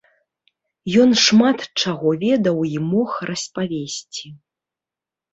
Ён шмат чаго ведаў і мог распавесці.